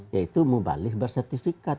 yaitu mubalik bersertifikat